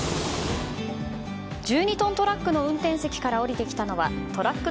１２トントラックの運転席から降りてきたのはトラック